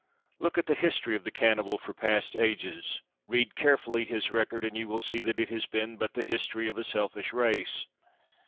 Look at the history of the cannibal for past ages. Read carefully his record and you will see that it has been but the history of a selfish race.